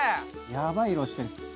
やばい色してる。